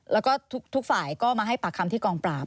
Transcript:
แล้วก็ทุกฝ่ายก็มาให้ปากคำที่กองปราบ